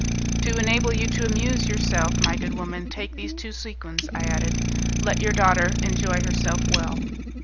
"To enable you to amuse yourself, my good woman; take these two sequins," I added. "Let your daughter enjoy herself well."